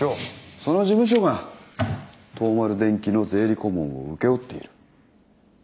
その事務所が東丸電機の税理顧問を請け負っている。